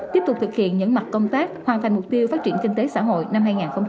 tiếp tục thực hiện những mặt công tác hoàn thành mục tiêu phát triển kinh tế xã hội năm hai nghìn hai mươi